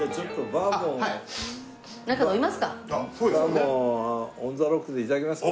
バーボンをオンザロックで頂きますか。